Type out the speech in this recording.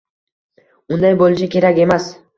Unday bo‘lishi kerak emas.